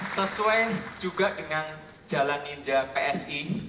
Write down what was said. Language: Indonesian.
sesuai juga dengan jalan ninja psi